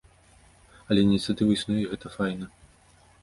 Але ініцыятыва існуе і гэта файна.